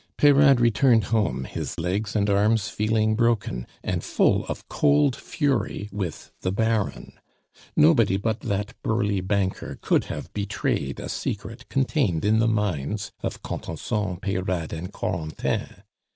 Peyrade returned home, his legs and arms feeling broken, and full of cold fury with the Baron. Nobody but that burly banker could have betrayed a secret contained in the minds of Contenson, Peyrade, and Corentin.